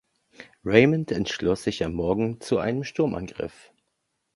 Raimund entschloss sich am Morgen zu einem Sturmangriff.